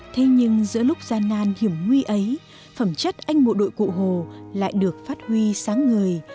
thế nhưng giữa lúc gian nan hiểm nguy ấy phẩm chất anh bộ đội cụ hồ lại được phát huy sáng ngời